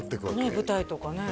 ねえ舞台とかね